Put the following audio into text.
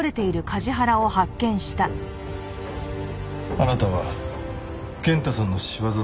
あなたは健太さんの仕業だろうと直感した。